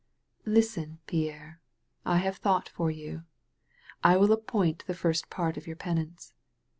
"Listen, Pierre. I have thought for you. I will appoint the first part of your penance.